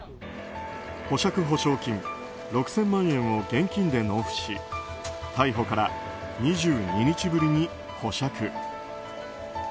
保釈保証金６０００万円を現金で納付し逮捕から２２日ぶりに保釈。